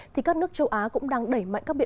thì các nước châu á cũng đang đẩy mạnh các biện